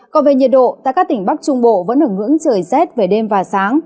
còn về nhiệt độ tại các tỉnh bắc trung bộ vẫn ở ngưỡng trời rét về đêm và sáng